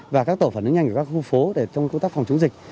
và các tổ phản ứng nhanh của các khu phố để trong công tác phòng chống dịch